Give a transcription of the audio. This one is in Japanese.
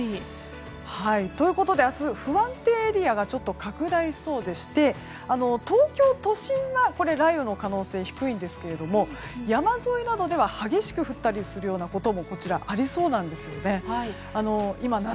ということで明日不安定エリアが拡大しそうでして東京都心は雷雨の可能性低いんですが山沿いなどでは激しく降ったりするようなこともありそうなんですよね。